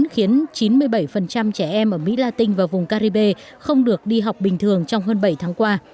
khiến chín mươi bảy trẻ em ở mỹ latin và vùng caribe không được đi học bình thường trong hơn bảy tháng qua